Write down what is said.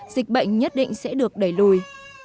dịch bệnh nhất định sẽ được đẩy lùi